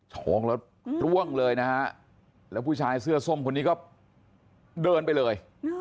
ชงแล้วร่วงเลยนะฮะแล้วผู้ชายเสื้อส้มคนนี้ก็เดินไปเลย